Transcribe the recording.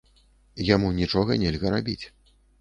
Яму нічога нельга рабіць.